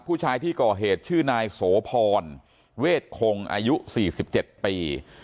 ผู้ชายที่ก่อเหตุชื่อนายโสพรเวทคงอายุ๔๗ปี